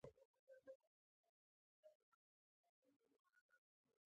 ژبه د اړیکې ټینګولو یوه مهمه وسیله ده.